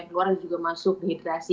keluar juga masuk dehidrasi